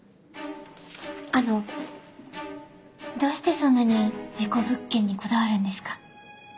あのどうしてそんなに事故物件にこだわるんですか？